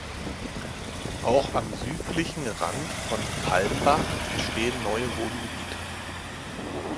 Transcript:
Auch am südlichen Rand von Palmbach entstehen neue Wohngebiete.